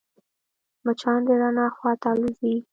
مچان د رڼا خواته الوزي